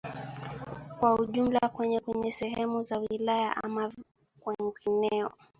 kwa ujumla kwenye kwenye sehemu za wilaya ama kwingineko